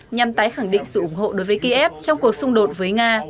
nhằm tái khẳng định sự ủng hộ đối với kiev trong cuộc xung đột với nga